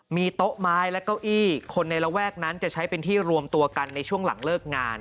มีโต๊ะไม้และเก้าอี้คนในระแวกนั้นจะใช้เป็นที่รวมตัวกันในช่วงหลังเลิกงาน